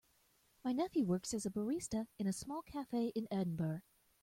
My nephew works as a barista in a small cafe in Edinburgh.